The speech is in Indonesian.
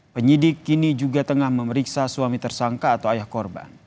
penyidik kini juga tengah memeriksa suami tersangka atau ayah korban